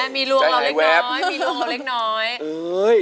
มีรวมของเล็ก